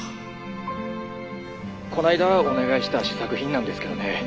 ☎こないだお願いした試作品なんですけどね